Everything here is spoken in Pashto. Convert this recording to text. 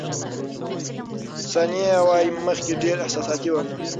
ثانیه وايي، مخکې ډېره احساساتي وم.